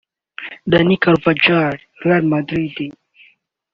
Dani Carvajal (Real Madrid)